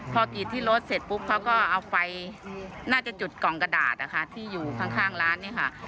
พอกรีดที่รถเสร็จปุ๊บเขาก็เอาไฟน่าจะจุดกล่องกระดาษนะคะที่อยู่ข้างร้านเนี่ยค่ะ